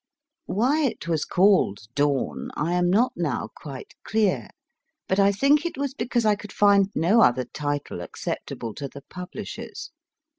Why it was called Dawn I am not now quite clear, but I think it was because I could find no other title acceptable to the publishers.